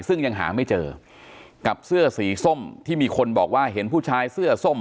ซึ่งยังหาไม่เจอกับเสื้อสีส้มที่มีคนบอกว่าเห็นผู้ชายเสื้อส้ม